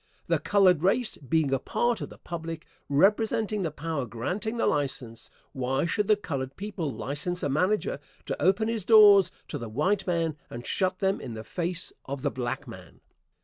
The colored race being a part of the public, representing the power granting the license, why should the colored people license a manager to open his doors to the white man and shut them in the face of the black man?